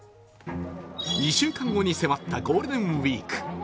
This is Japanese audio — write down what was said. ２週間後に迫ったゴールデンウイーク。